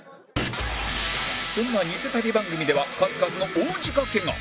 そんな偽旅番組では数々の大仕掛けが！